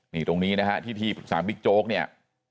นี่ตรงนี้นะครับที่ที่สามพิกโจ๊กเนี่ย